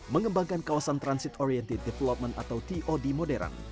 mengembangkan kawasan transit oriented development atau tod modern